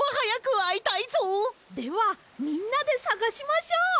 ではみんなでさがしましょう！